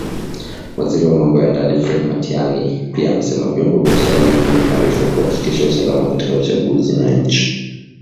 Waziri wa Mambo ya Ndani Fred Matiang’i pia amesema vyombo vya usalama vimeimarishwa kuhakikisha usalama katika uchaguzi na nchi.